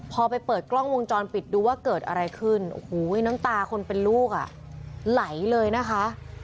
พอไปเปิดกล้องวงจรปิดดูว่าเกิดอะไรขึ้นโอ้โหน้ำตาคนเป็นลูกอ่ะไหลเลยนะคะ